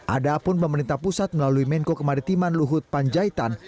ada pun pemerintah pusat melalui menko kemaritiman luhut panjaitan